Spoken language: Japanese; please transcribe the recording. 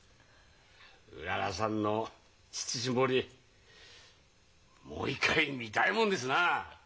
うららさんの乳搾りもう一回見たいもんですな！